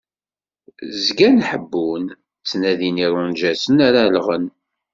Zgan ḥebbun, ttnadin irunǧasen ara llɣen.